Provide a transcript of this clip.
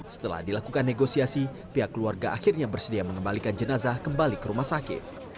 setelah dilakukan negosiasi pihak keluarga akhirnya bersedia mengembalikan jenazah kembali ke rumah sakit